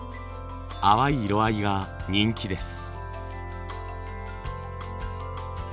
淡い色合いが人気です。